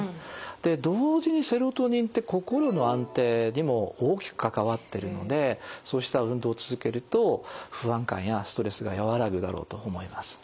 で同時にセロトニンって心の安定にも大きく関わってるのでそうした運動を続けると不安感やストレスが和らぐだろうと思います。